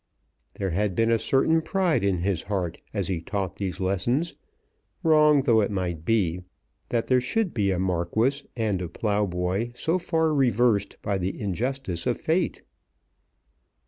There had been a certain pride in his heart as he taught these lessons, wrong though it might be that there should be a Marquis and a ploughboy so far reversed by the injustice of Fate.